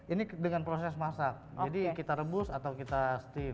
ini dengan proses masak jadi kita rebus atau kita steve